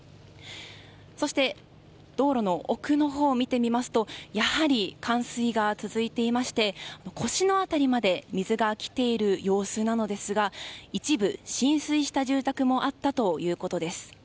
そして、道路の奥のほうを見てみますとやはり冠水が続いていまして腰の辺りまで水が来ている様子なのですが一部浸水した住宅もあったということです。